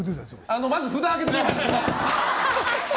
まず、札を上げてください！